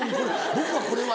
「僕はこれは」。